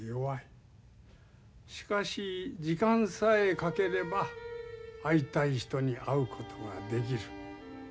しかし時間さえかければ会いたい人に会うことができる。